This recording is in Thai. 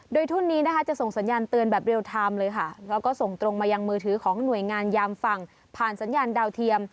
โดยทุ่นนี้จะส่งสัญญาณเตือนแบบเร็วไทม์เลย